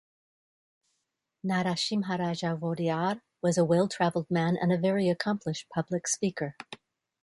Narasimharaja Wodeyar was a well travelled man and a very accomplished public speaker.